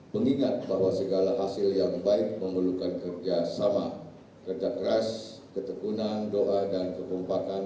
mengingat bahwa segala hasil yang baik memerlukan kerjasama kerja keras ketekunan doa dan kekompakan